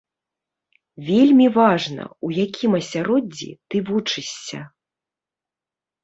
Вельмі важна, у якім асяроддзі ты вучышся.